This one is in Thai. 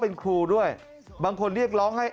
เป็นครูด้วยบางคนเรียกร้องให้